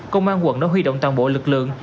công an quận đã huy động toàn bộ lực lượng